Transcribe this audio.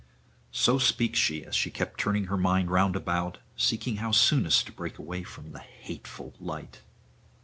So speaks she as she kept turning her mind round about, seeking how soonest to break away from the hateful light.